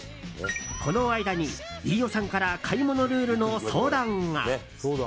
この間に、飯尾さんから買い物ルールの相談が。